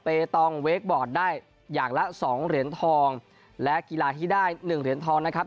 ตองเวคบอร์ดได้อย่างละสองเหรียญทองและกีฬาที่ได้หนึ่งเหรียญทองนะครับ